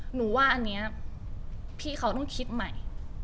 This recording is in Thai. หนูว่าอันนี้พี่เขาต้องคิดใหม่